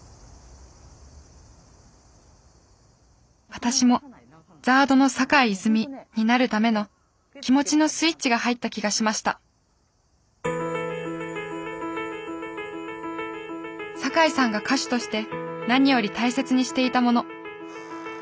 私もＺＡＲＤの坂井泉水になるための気持ちのスイッチが入った気がしました坂井さんが歌手として何より大切にしていたもの。